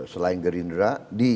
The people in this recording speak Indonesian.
selain gerindra di